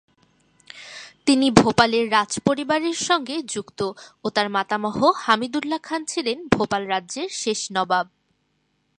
তিনি ভোপালের রাজপরিবারের সঙ্গে যুক্ত ও তার মাতামহ হামিদুল্লাহ খান ছিলেন ভোপাল রাজ্যের শেষ নবাব।